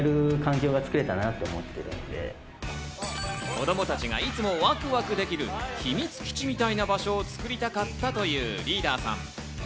子供たちがいつもワクワクできる秘密基地みたいな場所を作りたかったというリーダーさん。